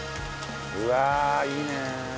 うわあいいねえ。